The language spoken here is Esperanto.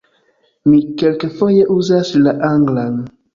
Mi kelkfoje uzas la anglan.